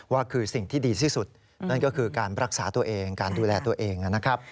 ว่าคือสิ่งที่ดีที่สุดนั่นก็คือการรักษาตัวเองการดูแลตัวเองนะครับ